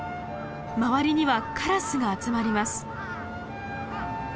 周りにはカラスが集まります。